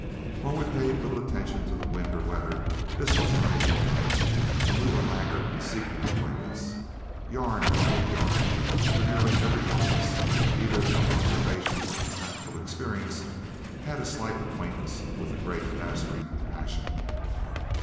While we paid little attention to wind or weather, this was an ideal night, and we were laggard in seeking our blankets. Yarn followed yarn; for nearly every one of us, either from observation or from practical experience, had a slight acquaintance with the great mastering passion.